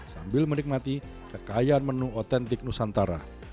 sambil menikmati kekayaan menu otentik nusantara